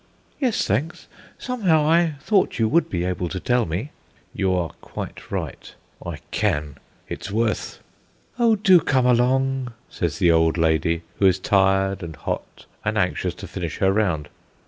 "Yes, thanks; somehow I thought you would be able to tell me." "You are quite right, I can. It's worth " "Oh, do come along!" says the old lady, who is tired and hot, and anxious to finish her round.